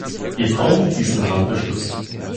Wir brauchen diesen Rahmenbeschluss.